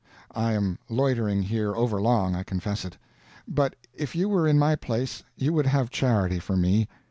I am loitering here overlong, I confess it. But if you were in my place you would have charity for me.